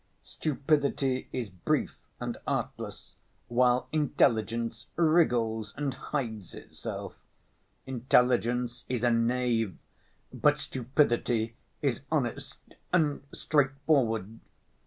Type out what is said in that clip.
Stupidity is brief and artless, while intelligence wriggles and hides itself. Intelligence is a knave, but stupidity is honest and straightforward.